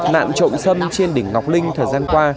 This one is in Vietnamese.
nạn trộm xâm trên đỉnh ngọc linh thời gian qua